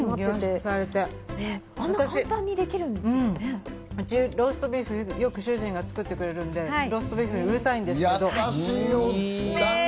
うち、ローストビーフをよく主人が作ってくれるのでローストビーフにうるさいんですけど。